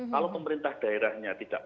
kalau pemerintah daerahnya tidak